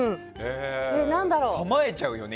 構えちゃうよね